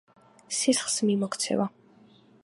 სისხლს მიმოქცევა